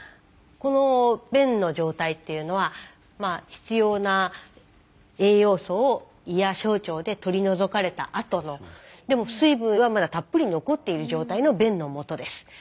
この便の状態っていうのは必要な栄養素を胃や小腸で取り除かれたあとのでも水分はまだたっぷり残っている状態の便のもとです。